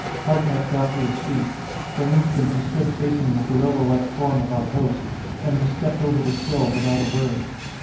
Hartnett got to his feet. For an instant he stood facing the gorilla like form of our host; then he stepped over the sill, without a word.